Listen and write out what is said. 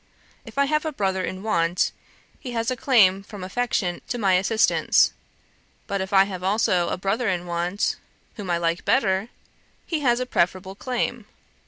If I have a brother in want, he has a claim from affection to my assistance; but if I have also a brother in want, whom I like better, he has a preferable claim.